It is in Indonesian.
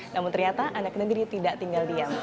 namun ternyata anak negeri tidak tinggal diam